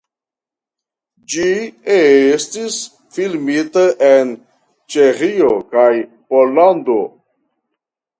Ĝi estis filmita en Ĉeĥio kaj Pollando.